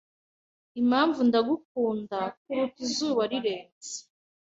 'Impamvu ndagukunda kuruta izuba rirenze